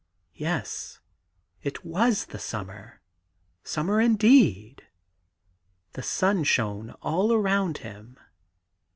Yes I it was the summer — summer indeed — the sun shone all around him.